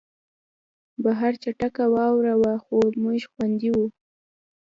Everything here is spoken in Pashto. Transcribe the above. بهر چټکه واوره وه خو موږ خوندي وو